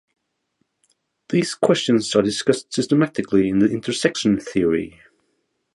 These questions are discussed systematically in intersection theory.